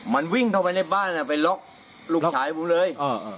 มันวิ่งเท่าไหร่ในบ้านน่ะไปล็อกลูกฉายผมเลยอ๋ออ๋ออ๋อ